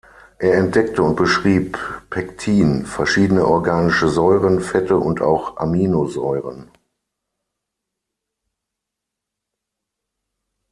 Er entdeckte und beschrieb Pektin, verschiedene organische Säuren, Fette und auch Aminosäuren.